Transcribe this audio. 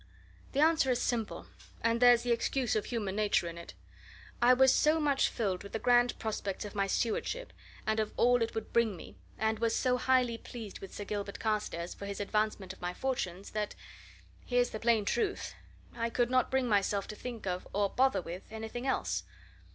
The answer is simple, and there's the excuse of human nature in it I was so much filled with the grand prospects of my stewardship, and of all it would bring me, and was so highly pleased with Sir Gilbert Carstairs for his advancement of my fortunes, that here's the plain truth I could not bring myself to think of, or bother with, anything else.